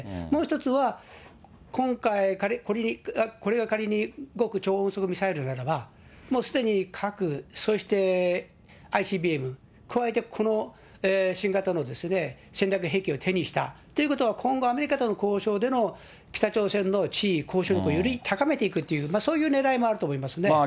もう１つは、今回、これが仮に極超音速ミサイルならば、もうすでに核、そしてＩＣＢＭ、くわえてこの新型の戦略兵器を手にしたということは、今後、アメリカとの交渉での北朝鮮の地位、交渉力をより高めていくっていうそういうねらいもあると思います